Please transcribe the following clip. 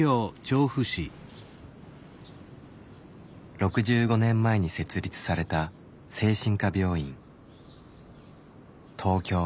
６５年前に設立された精神科病院。